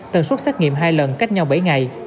tần suất xét nghiệm hai lần cách nhau bảy ngày